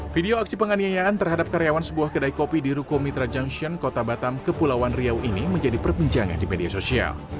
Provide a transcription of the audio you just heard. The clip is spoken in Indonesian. video aksi penganiayaan terhadap karyawan sebuah kedai kopi di ruko mitra junction kota batam kepulauan riau ini menjadi perbincangan di media sosial